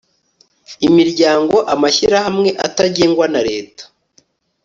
imiryango amashyirahamwe atagengwa na Leta